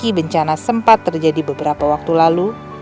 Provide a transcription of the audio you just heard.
kondisi bencana sempat terjadi beberapa waktu lalu